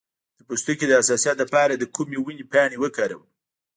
د پوستکي د حساسیت لپاره د کومې ونې پاڼې وکاروم؟